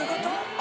あ。